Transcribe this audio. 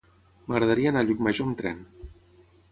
M'agradaria anar a Llucmajor amb tren.